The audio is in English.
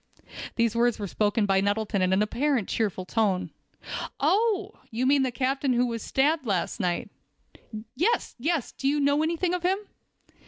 These words were spoken by Nettleton in an apparently cheerful tone. "Oh! you mean the captain who was stabbed last night." "Yes, yes; do you know any thing of him?"